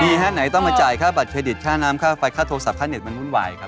มีฮะไหนต้องมาจ่ายค่าบัตรเครดิตค่าน้ำค่าไฟค่าโทรศัพมันวุ่นวายครับ